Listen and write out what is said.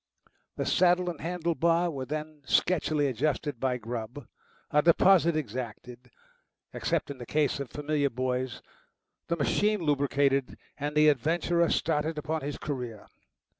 The saddle and handle bar were then sketchily adjusted by Grubb, a deposit exacted, except in the case of familiar boys, the machine lubricated, and the adventurer started upon his career.